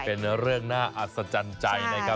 เป็นเรื่องน่าอัศจรรย์ใจนะครับ